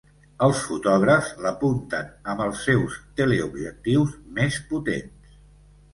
Els fotògrafs l'apunten amb els seus teleobjectius més potents.